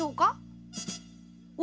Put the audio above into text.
お？